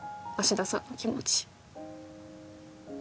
芦田さんの気持ち